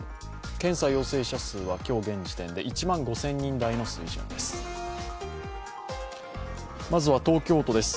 検査陽性者数は今日現時点で１万４０００人台の水準です。